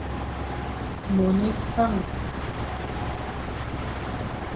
Mone Fañ,